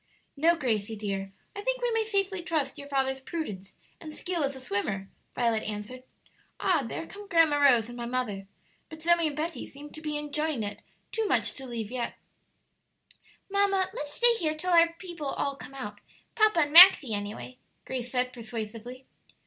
"No, Gracie dear; I think we may safely trust your father's prudence and skill as a swimmer," Violet answered. "Ah, there come Grandma Rose and my mother; but Zoe and Betty seem to be enjoying it too much to leave yet." "Mamma, let's stay here till our people all come out; papa and Maxie, any way" Grace said, persuasively.